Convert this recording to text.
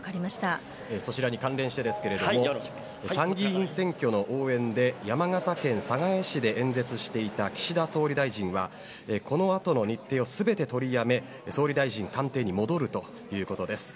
そちらに関連してですが参議院選挙の応援で山形県寒河江市で演説していた岸田総理大臣はこの後の日程を全て取りやめ総理大臣官邸に戻るということです。